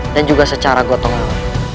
dan juga secara gotongan